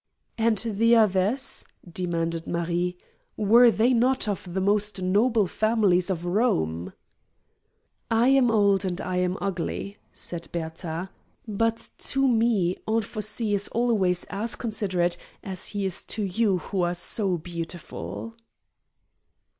"And the others," demanded Marie; "were they not of the most noble families of Rome?" "I am old and I am ugly," said Bertha, "but to me Anfossi is always as considerate as he is to you who are so beautiful."